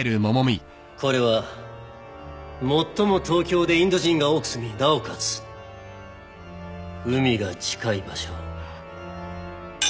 これは最も東京でインド人が多く住みなおかつ海が近い場所。